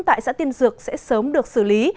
tại xã tiên dược sẽ sớm được xử lý